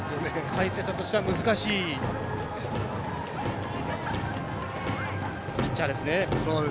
解説者としては難しいピッチャーですね。